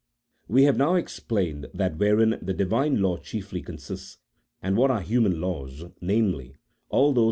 We have now explained that wherein the Divine law chiefly consists, and what are human laws, namely, all those which CHAP.